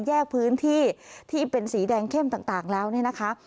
แยกพื้นที่ที่เป็นสีแดงเข้มต่างแล้วเนี่ยนะคะ